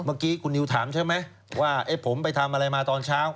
เมื่อกี้คุณนิวถามใช่ไหมว่าผมไปทำอะไรมาตอนเช้า